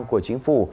của chính phủ